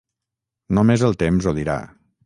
Només el temps ho dirà.